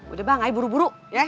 udah bang ayo buru buru ya